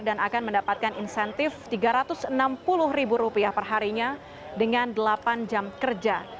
dan akan mendapatkan insentif rp tiga ratus enam puluh perharinya dengan delapan jam kerja